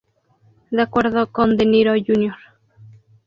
De acuerdo con De Niro, Jr.